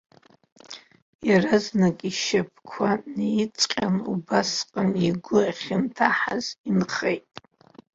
Иаразнак ишьапқәа неиҵҟаан, убасҟан игәы ахьынҭаҳаз инхеит.